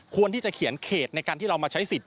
ควรที่จะเขียนเขตในการที่เรามาใช้สิทธิ